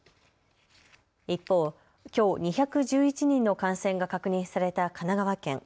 一方、きょう２１１人の感染が確認された神奈川県。